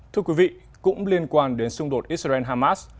thưa quý vị cũng liên quan đến xung đột israel hamas